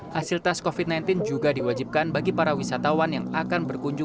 hasil tes covid sembilan belas juga diwajibkan bagi para wisatawan yang akan berkunjung